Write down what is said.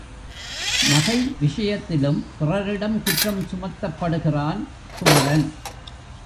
நகை விஷயத்திலும் பிறரிடம் குற்றம் சுமத்தப்படுகிறான் குமரன்.